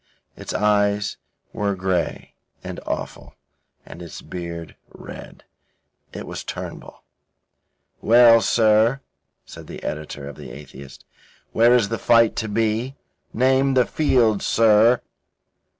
Its eyes were grey and awful, and its beard red. It was Turnbull. "Well, sir," said the editor of The Atheist, "where is the fight to be? Name the field, sir."